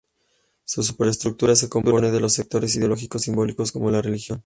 La "superestructura" se compone de los sectores ideológicos y simbólicos como la religión.